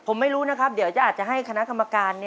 ผมไม่รู้โถ่ครับเดี๋ยวอาจจะให้คณะคำอาการ